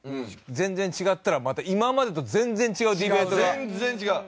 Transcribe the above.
全然違ったからまた今までと全然違うディベートが見れましたね。